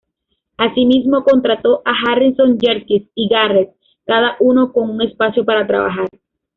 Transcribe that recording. Asimismo, contrató a Harrison, Jerkins y Garrett, cada uno con un espacio para trabajar.